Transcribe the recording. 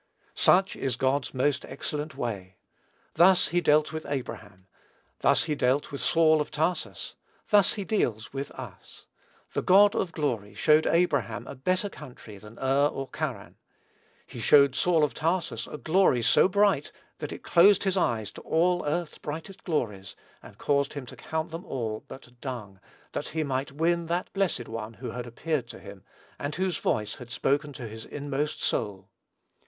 Such is God's most excellent way. Thus he dealt with Abraham. Thus he dealt with Saul of Tarsus. Thus he deals with us. The God of glory showed Abraham a better country than Ur or Charran. He showed Saul of Tarsus a glory so bright, that it closed his eyes to all earth's brightest glories, and caused him to count them all "but dung," that he might win that blessed One who had appeared to him, and whose voice had spoken to his inmost soul.